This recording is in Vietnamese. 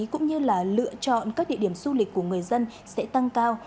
cũng như là lựa chọn các địa điểm du lịch của người dân sẽ tăng cao